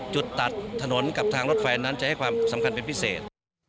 จุดตัดถนนกับทางรถแฟนนั้นจะให้ความสำคัญเป็นพิเศษ